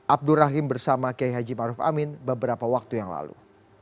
abdur rahim bersama k h maruf amin beberapa waktu yang lalu